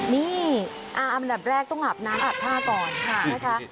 นี่อันดับแรกต้องอาบน้ำอาบท่าก่อนนะคะ